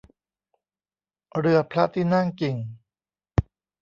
เรือพระที่นั่งกิ่ง